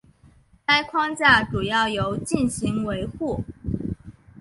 该框架主要由进行维护。